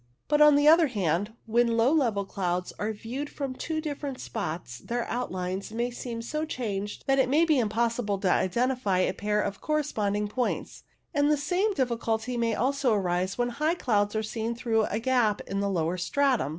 But, on the other hand, when low level clouds are viewed from two different spots their outlines may seem so changed that it may be impossible to identify a pair of correspond ing points, and the same difficulty may also arise when high clouds are seen through a gap in a lower stratum.